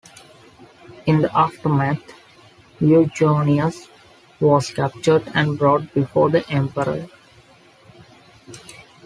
In the aftermath, Eugenius was captured and brought before the emperor.